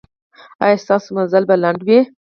ایا ستاسو مزل به لنډ وي؟